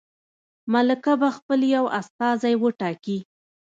ملکه به خپل یو استازی وټاکي.